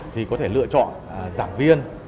thì có thể lựa chọn giảng viên